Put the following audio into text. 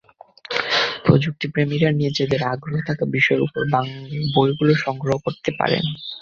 প্রযুক্তিপ্রেমীরা নিজেদের আগ্রহ থাকা বিষয়ের ওপর বইগুলো সংগ্রহ করে রাখতে পারেন।